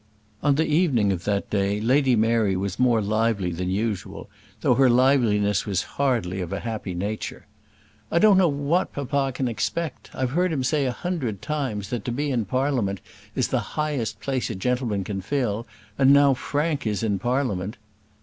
On the evening of that day Lady Mary was more lively than usual, though her liveliness was hardly of a happy nature. "I don't know what papa can expect. I've heard him say a hundred times that to be in Parliament is the highest place a gentleman can fill, and now Frank is in Parliament."